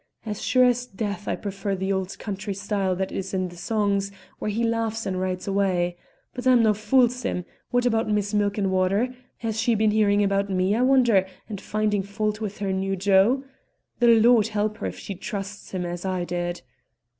As sure as death I prefer the old country style that's in the songs, where he laughs and rides away. But I'm no fool, Sim; what about Miss Milk and Water? Has she been hearing about me, I wonder, and finding fault with her new jo? The Lord help her if she trusts him as I did!"